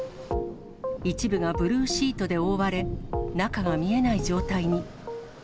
一部がブルーシートで覆われ、中が見えない状態に。